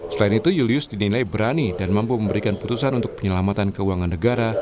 selain itu julius dinilai berani dan mampu memberikan putusan untuk penyelamatan keuangan negara